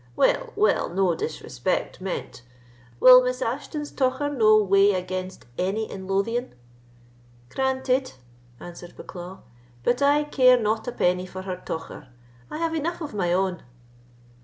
"Well—well, no disrespect meant. Will Miss Ashton's tocher not weigh against any in Lothian?" "Granted," answered Bucklaw; "but I care not a penny for her tocher; I have enough of my own."